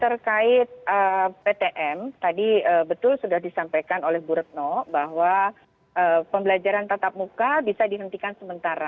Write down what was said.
terkait ptm tadi betul sudah disampaikan oleh bu retno bahwa pembelajaran tatap muka bisa dihentikan sementara